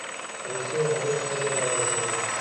روسۍ حامله ښځه راورسېده.